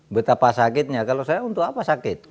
betapa sakitnya kalau saya untuk apa sakit